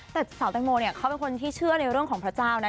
แต่สาวแตงโมเนี่ยเขาเป็นคนที่เชื่อในเรื่องของพระเจ้านะ